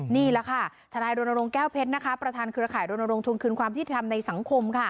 นี่แหละค่ะทนายโดนโรงแก้วเพชรประธานเครือข่ายโดนโรงทุนคืนความที่จะทำในสังคม